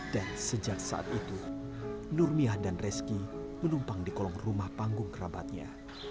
dan sejak saat itu nurmiah dan reski menumpang di kolong rumah panggung kerabatnya